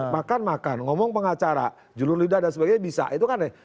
makan makan ngomong pengacara julur lidah dan sebagainya bisa itu kan deh